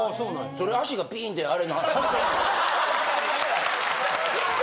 それ脚がピーンてあれ。